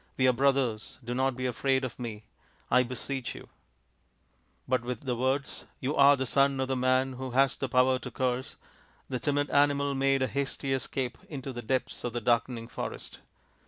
We are brothers. Do not be afraid of me, I beseech you." But with the words, " You are the son of the man who has the power to curse," the timid animal made a hasty escape into the depths of the darkening forest.